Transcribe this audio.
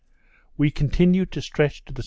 We continued to stretch to the S.